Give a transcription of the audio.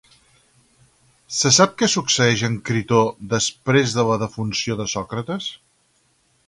Se sap què succeeix amb Critó després de la defunció de Sòcrates?